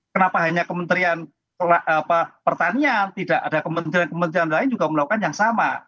kenapa hanya kementerian pertanian tidak ada kementerian kementerian lain juga melakukan yang sama